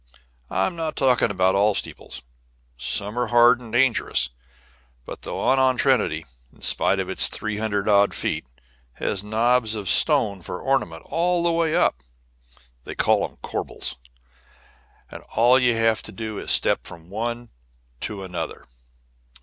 I'm not talking about all steeples some are hard and dangerous; but the one on Trinity, in spite of its three hundred odd feet, has knobs of stone for ornament all the way up (they call them corbels), and all you have to do is to step from one to another."